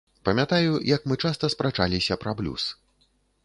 Памятаю, як мы часта спрачаліся пра блюз.